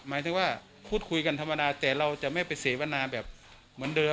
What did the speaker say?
หมายถึงว่าพูดคุยกันธรรมดาแต่เราจะไม่ไปเสวนาแบบเหมือนเดิม